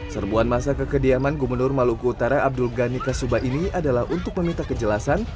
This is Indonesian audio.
serbuan masa kekediaman gubernur maluku utara abdul ghani kasubah ini adalah untuk meminta kejelasan